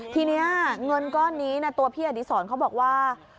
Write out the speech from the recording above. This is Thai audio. ทีนี้เงินก้อนนี้ตัวพี่อดีศรเขาบอกว่า